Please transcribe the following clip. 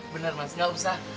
benar mas nggak usah